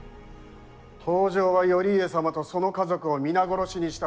北条は頼家様と、その家族を皆殺しにした。